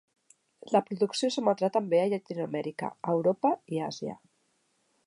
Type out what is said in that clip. La producció s'emetrà també a Llatinoamèrica, Europa i Àsia.